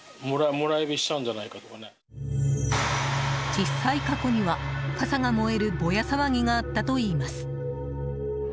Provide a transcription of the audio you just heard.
実際、過去には傘が燃えるボヤ騒ぎがあったといいます。